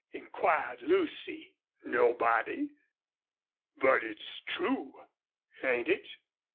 inquired Lucy. "Nobody. But it's true ain't it?"